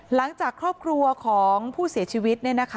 หลังจากครอบครัวของผู้เสียชีวิต